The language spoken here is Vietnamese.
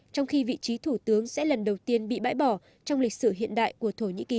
trong khi vị trí thủ tướng sẽ lần đầu tiên bị bãi bỏ trong lịch sử hiện đại của thổ nhĩ kỳ